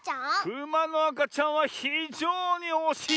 クマのあかちゃんはひじょうにおしいですね！